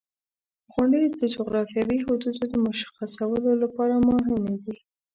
• غونډۍ د جغرافیوي حدودو د مشخصولو لپاره مهمې دي.